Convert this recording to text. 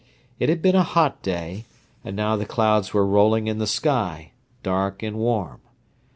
It had been a hot day, and now the clouds were rolling in the sky, dark and warm.